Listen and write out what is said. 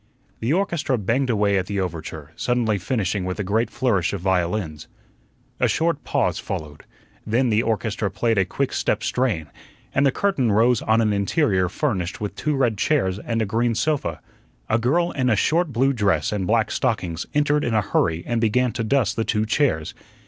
The orchestra banged away at the overture, suddenly finishing with a great flourish of violins. A short pause followed. Then the orchestra played a quick step strain, and the curtain rose on an interior furnished with two red chairs and a green sofa. A girl in a short blue dress and black stockings entered in a hurry and began to dust the two chairs.